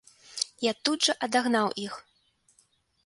Я тут жа адагнаў іх.